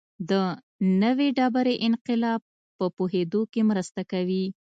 د نوې ډبرې انقلاب په پوهېدو کې مرسته کوي